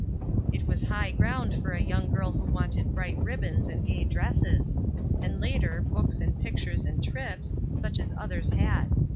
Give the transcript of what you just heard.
It was high ground for a yoiuig girl who wanted bright ribbons and gay dresses; and later, books and pictures and trips, such as others had.